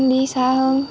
đi xa hơn